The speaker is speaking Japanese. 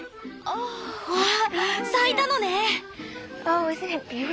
わあ咲いたのね！